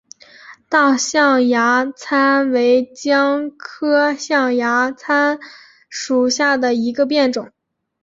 大象牙参为姜科象牙参属下的一个变种。